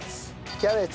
キャベツ。